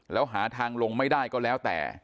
แล้วหาทางลงไม่ได้ก็แล้วแต่